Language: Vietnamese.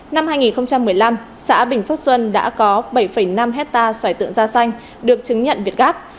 năm hai nghìn một mươi năm xã bình phước xuân đã có bảy năm hectare xoài tượng da xanh được chứng nhận việt gáp